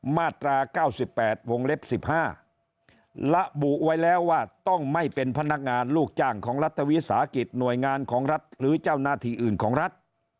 มาตรา๙๘วงเล็บ๑๕ระบุไว้แล้วว่าต้องไม่เป็นพนักงานลูกจ้างของรัฐวิสาหกิจหน่วยงานของรัฐหรือเจ้าหน้าที่อื่นของรัฐ